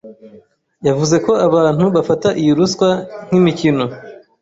yavuze ko abantu bafata iyi ruswa nk’imikino